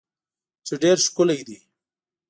چې ډیر ښکلی دی